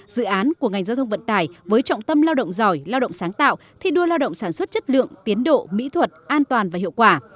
dự án của ngành giao thông vận tải với trọng tâm lao động giỏi lao động sáng tạo thi đua lao động sản xuất chất lượng tiến độ mỹ thuật an toàn và hiệu quả